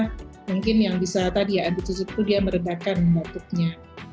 karena mungkin yang bisa tadi ya anti cusuk itu dia meredakan batuknya